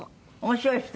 面白い人？